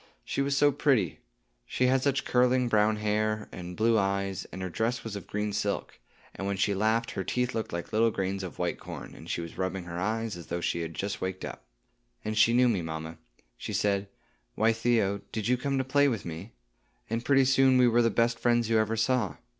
She was so pretty! She had such curling brown hair, and blue eyes, and her dress was of green silk; and when she laughed, her teeth looked like little grains of white corn, and she was rubbing her eyes, as though she had just waked up. And she knew me, mamma; she said, 'Why, Theo, did you come to play with me?' and pretty soon we were the best friends you ever saw.